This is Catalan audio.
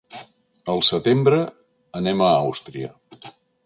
Al setembre anem a Àustria.